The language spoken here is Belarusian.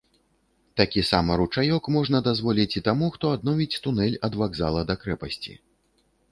Такі сама ручаёк можна дазволіць і таму, хто адновіць тунэль ад вакзала да крэпасці.